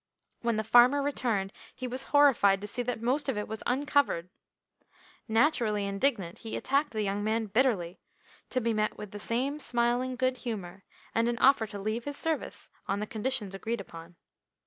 When the farmer returned he was horrified to see that most of it was uncovered. Naturally indignant, he attacked the young man bitterly, to be met with the same smiling good humour, and an offer to leave his service on the conditions agreed upon.